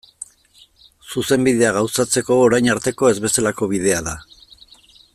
Zuzenbidea gauzatzeko orain artekoa ez bezalako bidea da.